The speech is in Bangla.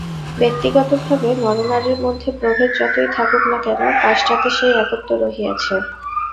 ব্যক্তিগতভাবে নরনারীর মধ্যে প্রভেদ যতই থাকুক না কেন, পাশ্চাতে সেই একত্ব রহিয়াছে।